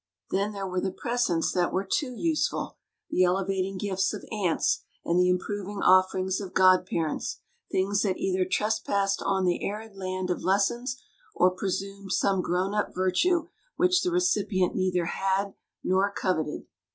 Then there were the presents that were too useful : the elevating gifts of aunts and the improving offerings of god parents, things that either trespassed on the arid land of lessons or presumed some grown up virtue which the recipient neither had nor coveted.